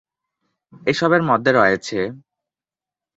এসবের মধ্যে রয়েছেঃ